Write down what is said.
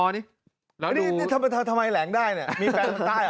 นี่ทำไมแหลงได้เนี่ยมีแฟนคนใต้เหรอ